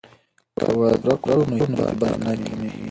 که وعده پوره کړو نو اعتبار نه کمیږي.